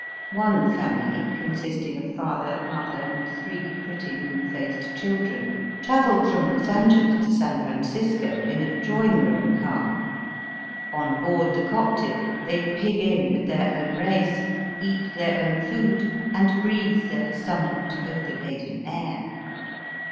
One family, consisting of father, mother, and three pretty moon faced children, travelled from Los Angelos to San Francisco Digitized by VjOOQIC THE HEATHEN CHINEE. 179 in a drawing room oar. On board the Coptic they pig in with their own race, eat their food, and breathe their somewhat overladen air.